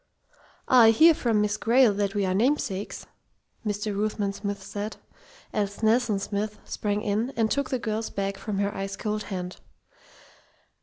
"I hear from Miss Grayle that we are namesakes," Mr. Ruthven Smith said, as "Nelson Smith" sprang in and took the girl's bag from her ice cold hand.